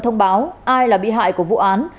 thông báo ai là bị hại của vụ án